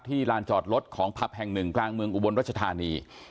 ลานจอดรถของผับแห่งหนึ่งกลางเมืองอุบลรัชธานี